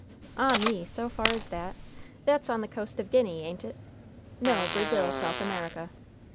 "Ah me! so far as that? That's on the coast of Guinea, ain't it?" "No; Brazil, South America."